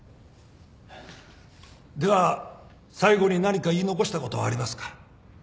では最後に何か言い残したことはありますか？